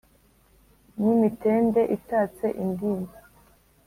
ni imitende itatse indinda.